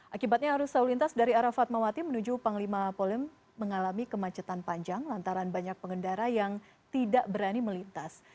akibatnya arus lalu lintas dari arah fatmawati menuju panglima polem mengalami kemacetan panjang lantaran banyak pengendara yang tidak berani melintas